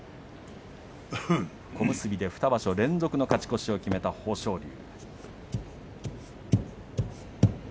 小結で２場所連続の勝ち越しを決めた豊昇龍。